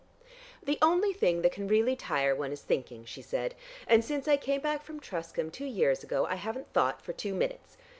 "The only thing that really can tire one is thinking," she said, "and since I came back from Truscombe two years ago, I haven't thought for two minutes.